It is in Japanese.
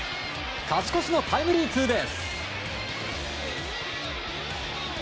勝ち越しのタイムリーツーベース。